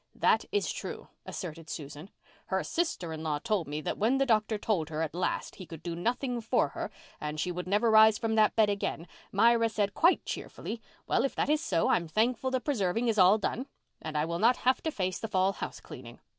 "That is true," asserted Susan. "Her sister in law told me that when the doctor told her at last that he could do nothing for her and she would never rise from that bed again, Myra said quite cheerfully, 'Well, if that is so, I'm thankful the preserving is all done, and I will not have to face the fall house cleaning.